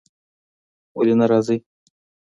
ولی نه راځی ؟